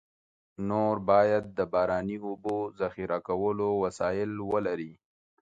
نور باید د باراني اوبو ذخیره کولو وسایل ولري.